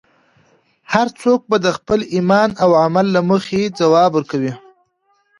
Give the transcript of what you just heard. هر څوک به د خپل ایمان او عمل له مخې ځواب ورکوي.